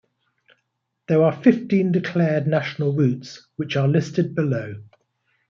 There are fifteen declared national routes, which are listed below.